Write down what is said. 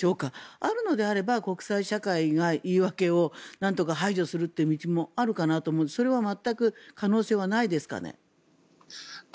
あるのであれば国際社会が言い訳をなんとか排除するという道もあると思うんですがそれは全く可能性はないですかね？